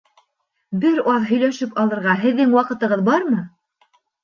Бер аҙ һөйләшеп алырға һеҙҙең ваҡытығыҙ бармы?